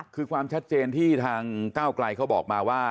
คือความชัดเจนที่ทางก้าวไกลเขาบอกมาว่า